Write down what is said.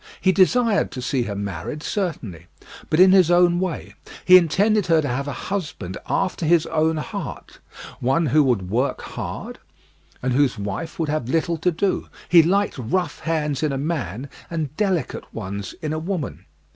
He desired to see her married, certainly; but in his own way: he intended her to have a husband after his own heart, one who would work hard, and whose wife would have little to do. He liked rough hands in a man, and delicate ones in a woman.